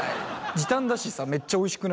時短だしさめっちゃおいしくない？